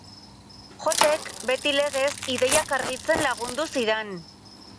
Jotek, beti legez, ideiak argitzen lagundu zidan.